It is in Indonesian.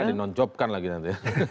kalau enggak dinoncopkan lagi nanti